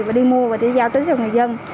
và đi mua và đi giao tưới cho người dân